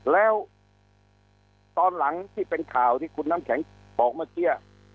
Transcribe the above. แล้วตอนหลังที่เป็นข่าวที่คุณน้ำแข็งบอกเมื่อกี้